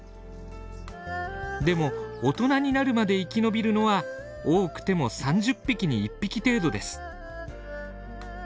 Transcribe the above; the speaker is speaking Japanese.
でも大人になるまで生き延びるのは多くても３０匹に１匹程度です。